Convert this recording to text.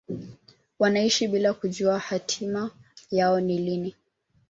wanaishi bila kujua hatima yao ni lini